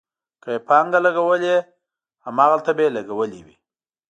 که یې پانګه لګولې، هماغلته به یې لګولې وي.